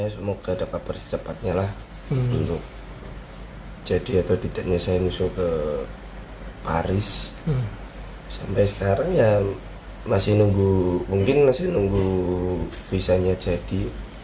sampai sekarang ya masih nunggu mungkin masih nunggu visanya jadi